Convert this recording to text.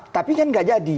tapi kan gak jadi